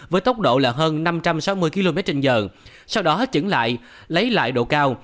với tốc độ là hơn năm trăm sáu mươi km trên giờ sau đó trứng lại lấy lại độ cao